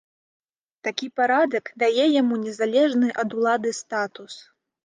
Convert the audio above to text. Такі парадак дае яму незалежны ад улады статус.